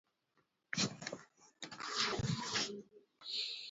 خو په منځ کي دا یو سوال زه هم لرمه